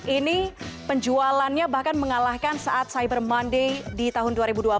ini penjualannya bahkan mengalahkan saat cyber monday di tahun dua ribu dua belas